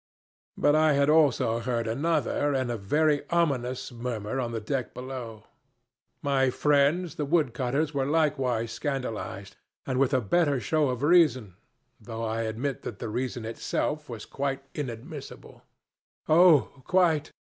But I had also heard another, and a very ominous, murmur on the deck below. My friends the wood cutters were likewise scandalized, and with a better show of reason though I admit that the reason itself was quite inadmissible. Oh, quite!